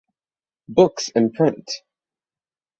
Books imprint.